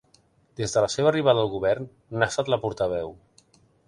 Des de la seva arribada al govern, n'ha estat la portaveu.